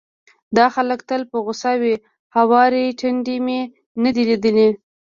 دا خلک تل په غوسه وي، هوارې ټنډې مې نه دي ليدلې،